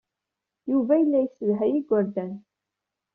Yuba yella yessedhay igerdan.